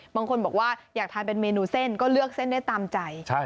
บางคนบอกว่าอยากทานเป็นเมนูเส้นก็เลือกเส้นได้ตามใจ